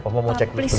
papa mau cek